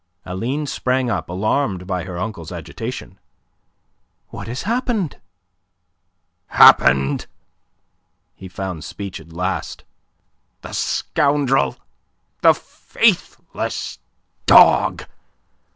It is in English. Aline sprang up, alarmed by her uncle's agitation. "What has happened?" "Happened?" He found speech at last. "The scoundrel! The faithless dog!